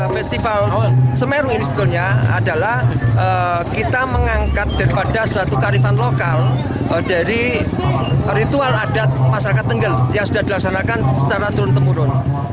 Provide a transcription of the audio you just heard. festival semeru ini sebetulnya adalah kita mengangkat daripada suatu karifan lokal dari ritual adat masyarakat tenggel yang sudah dilaksanakan secara turun temurun